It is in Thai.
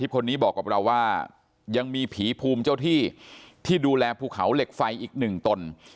คนนี้บอกกับเราว่ายังมีผีภูมิเจ้าที่ที่ดูแลภูเขาเหล็กไฟอีก๑ตน